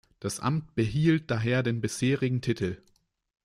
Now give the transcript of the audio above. Das Amt behielt daher den bisherigen Titel.